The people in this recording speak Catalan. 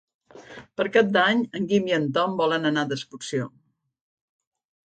Per Cap d'Any en Guim i en Tom volen anar d'excursió.